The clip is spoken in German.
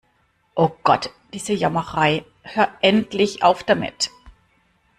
Oh Gott, diese Jammerei. Hör endlich auf damit!